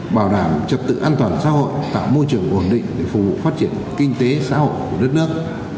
bảo đảm trật tự an toàn xã hội tạo môi trường ổn định để phục vụ phát triển kinh tế xã hội của đất nước